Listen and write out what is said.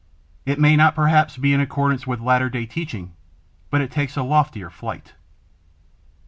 It may not perhaps be in accordance with latter day teaching, but it takes a loftier flight.